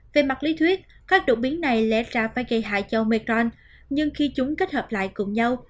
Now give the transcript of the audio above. về mặt lý thuyết các đột biến này lẽ ra phải gây hại cho mecron nhưng khi chúng kết hợp lại cùng nhau